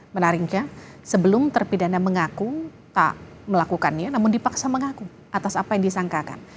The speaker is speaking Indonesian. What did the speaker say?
menariknya sebelum terpidana mengaku k melakukannya namun dipaksa mengaku atas apa yang disangkakan